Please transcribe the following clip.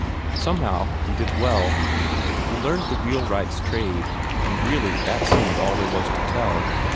Somehow he did well. He learned the wheelwright's trade, and really that seemed all there was to tell.